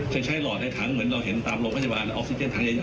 จะใช้หลอดในถังเหมือนเราเห็นตามโรงพยาบาลออกซิเจนถังใหญ่